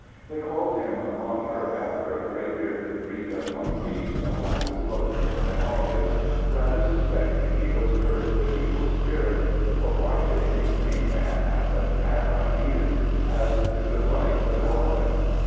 They called him Langur after a grey bearded breed of monkeys along the slopes of the Himalayas, rather suspecting he was cursed with evil spirits, for why should any sane man have such mad ideas as to the rights of elephants?